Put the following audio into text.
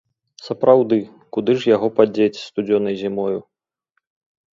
Сапраўды, куды ж яго падзець студзёнай зімою?